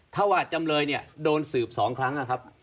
ถ้าว่าจำเลยเนี่ยโดนสืบ๒ครั้งนะครับ